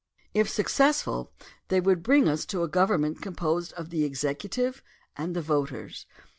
If successful they would bring us to a government composed of the executive and the voters.